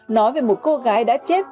nói về một cô gái đã chết